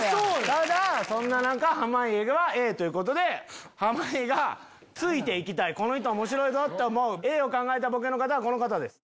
ただそんな中濱家はＡということで濱家がついて行きたいこの人面白いぞ！と思うＡを考えた方はこの方です。